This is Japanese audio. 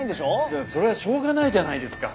いやそれはしょうがないじゃないですか。